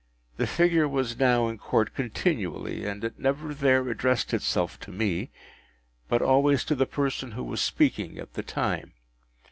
The figure was now in Court continually, and it never there addressed itself to me, but always to the person who was speaking at the time.